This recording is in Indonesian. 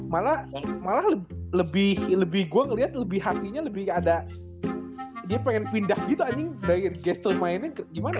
malah malah lebih lebih gua ngeliat lebih hatinya lebih ada dia pengen pindah gitu anjing dari geston mainnya gimana